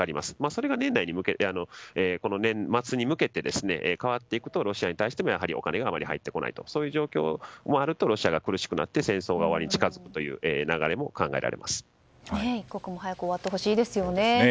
それが年末に向けて変わっていくとロシアに対してもお金があまり入ってこないというそういう状況になるとロシアが苦しくなってきて終わりに近づくという一刻も早く終わってほしいですよね。